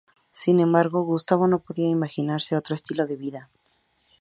Sin embargo, Gustavo no podría imaginarse otro estilo de vida.